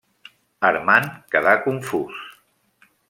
Armand queda confús.